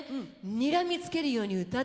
にらみつけるように歌ったり。